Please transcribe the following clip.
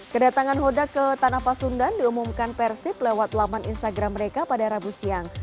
kedatangan hoda ke tanah pasundan diumumkan persib lewat laman instagram mereka pada rabu siang